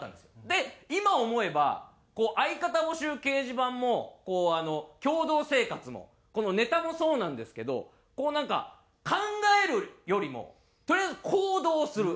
で今思えば相方募集掲示板も共同生活もこのネタもそうなんですけどこうなんか考えるよりもとりあえず行動をする。